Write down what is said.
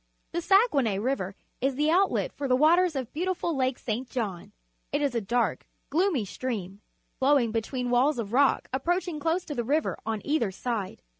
The Saguenay River is the outlet for the waters of beautiful Lake St. John. It is a dark, gloomy stream, flowing between walls of rock approaching close to the river on either side.